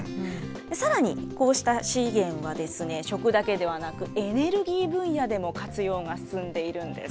さらに、こうした資源はですね、食だけではなく、エネルギー分野でも活用が進んでいるんです。